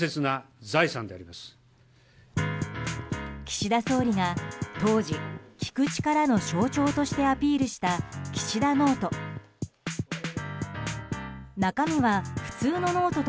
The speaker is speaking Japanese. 岸田総理が当時、聞く力の象徴としてアピールした岸田ノート。